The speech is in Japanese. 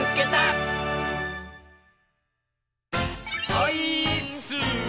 オイーッス！